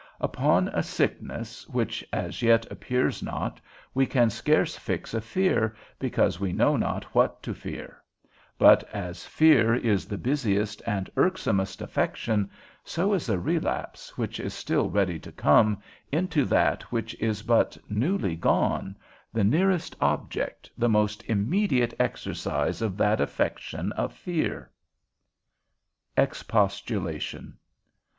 Upon a sickness, which as yet appears not, we can scarce fix a fear, because we know not what to fear; but as fear is the busiest and irksomest affection, so is a relapse (which is still ready to come) into that which is but newly gone, the nearest object, the most immediate exercise of that affection of fear. XXIII. EXPOSTULATION.